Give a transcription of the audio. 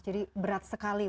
jadi berat sekali